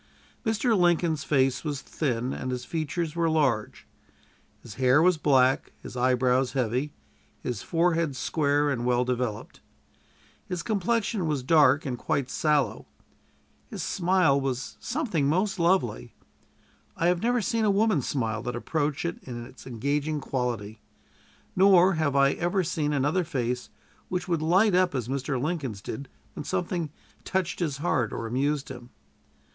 Mr. Lincoln's face was thin, and his features were large. His hair was black, his eyebrows heavy, his forehead square and well developed. His complexion was dark and quite sallow. His smile was something most lovely. I have never seen a woman's smile that approached it in its engaging quality; nor have I ever seen another face which would light up as Mr. Lincoln's did when something touched his heart or amused him.